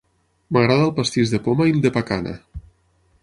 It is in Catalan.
M'agrada el pastís de poma i el de pacana.